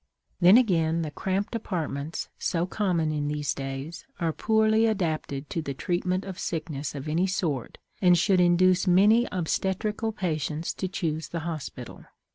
Then again, the cramped apartments, so common in these days, are poorly adapted to the treatment of sickness of any sort and should induce many obstetrical patients to choose the hospital.